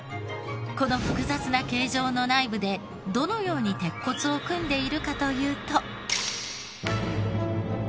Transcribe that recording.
この複雑な形状の内部でどのように鉄骨を組んでいるかというと。